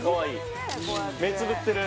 目つぶってる。